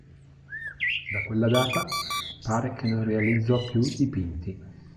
Da quella data pare che non realizzò più dipinti.